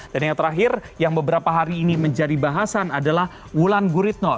yang terakhir yang beberapa hari ini menjadi bahasan adalah wulan guritno